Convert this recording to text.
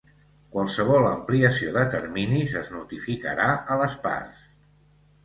Qualsevol ampliació de terminis es notificarà a les parts.